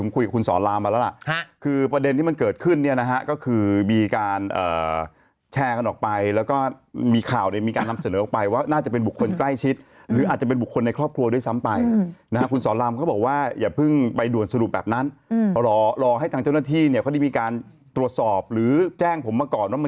คุยกับคุณสอนรามมาแล้วล่ะคือประเด็นที่มันเกิดขึ้นเนี่ยนะฮะก็คือมีการแชร์กันออกไปแล้วก็มีข่าวเนี่ยมีการนำเสนอออกไปว่าน่าจะเป็นบุคคลใกล้ชิดหรืออาจจะเป็นบุคคลในครอบครัวด้วยซ้ำไปนะฮะคุณสอนรามเขาบอกว่าอย่าเพิ่งไปด่วนสรุปแบบนั้นรอรอให้ทางเจ้าหน้าที่เนี่ยเขาได้มีการตรวจสอบหรือแจ้งผมมาก่อนว่ามัน